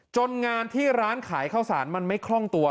งานที่ร้านขายข้าวสารมันไม่คล่องตัว